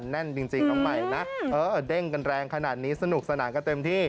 แน่นจริงน้องใหม่นะเด้งกันแรงขนาดนี้สนุกสนานกันเต็มที่